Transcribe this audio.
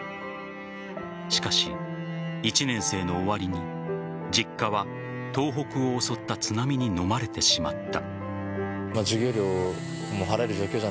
しかし、１年生の終わりに実家は東北を襲った津波にのまれてしまった。